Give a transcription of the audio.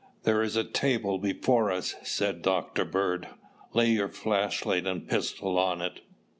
"There is a table before us," said Dr. Bird. "Lay your flashlight and pistol on it."